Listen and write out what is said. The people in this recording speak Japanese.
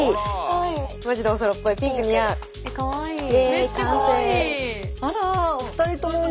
めっちゃかわいい。